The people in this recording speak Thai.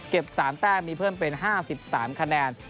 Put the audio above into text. ๓แต้มมีเพิ่มเป็น๕๓คะแนน